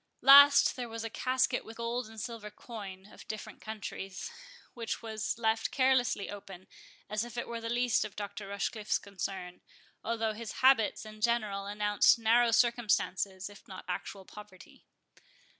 Last, there was a casket with gold and silver coin of different countries, which was left carelessly open, as if it were the least of Dr. Rochecliffe's concern, although his habits in general announced narrow circumstances, if not actual poverty.